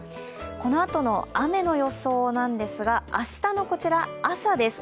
このあとの雨の予想なんですが明日の朝です。